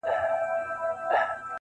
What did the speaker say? • ډیري لاري یې پر سپي وې آزمېیلي -